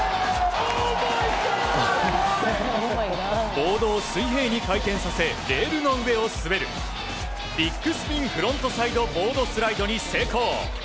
ボードを水平に回転させレールの上を滑るビッグスピンフロントサイドボードスライドに成功。